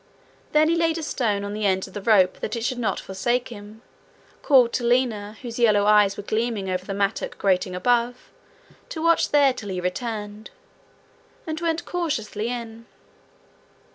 Then he laid a stone on the end of the rope that it should not forsake him, called to Lina, whose yellow eyes were gleaming over the mattock grating above, to watch there till he returned, and went cautiously in.